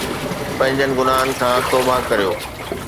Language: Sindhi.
پنھنجن گناھن کان توبه ڪريو